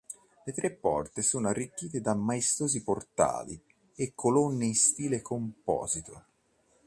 Le tre porte sono arricchite da maestosi portali e colonne in stile composito.